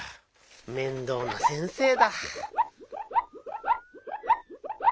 面倒な先生だ。